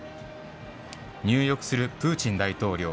入浴するプーチン大統領。